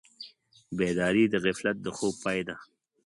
بیداري د غفلت د خوب پای ده.